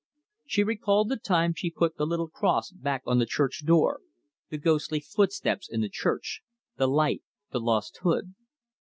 She recalled the time she put the little cross back on the church door, the ghostly footsteps in the church, the light, the lost hood.